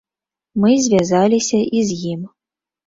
Мы звязаліся і з ім.